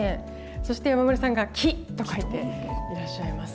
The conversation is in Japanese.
そして山村さんが「気」と書いていらっしゃいます。